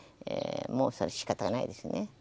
もうそれはしかたないですね。